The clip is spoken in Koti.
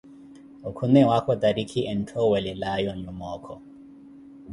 Okhuno ewaakho tarikhi entthowelawe onyuma okho.